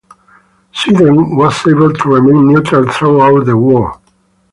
Sweden was able to remain neutral throughout the war.